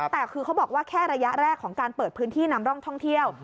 แต่คือเขาบอกว่าแค่ระยะแรกของการเปิดพื้นที่นำร่องท่องเที่ยว